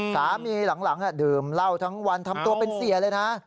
สามีหลังดื่มเหล้าทั้งวันทำตัวเป็นเสียเลยนะ